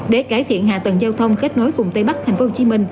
để cải thiện hạ tầng giao thông kết nối vùng tây bắc tp hcm